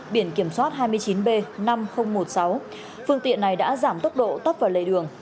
biển kiểm soát hai mươi chín b năm nghìn một mươi sáu phương tiện này đã giảm tốc độ tấp vào lề đường